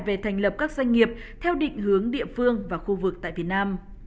về thành lập các doanh nghiệp theo định hướng địa phương và khu vực tại việt nam